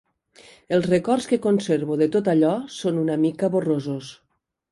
Els records que conservo de tot allò són una mica borrosos